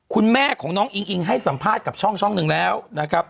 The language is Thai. คุณแม่ของน้องอิงอิงให้สัมภาษณ์กับช่องหนึ่งแล้วนะครับ